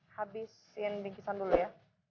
habis rian bingkitan dulu ya